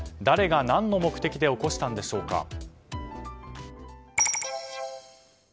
誰が何の目的で起こしたんでしょうか。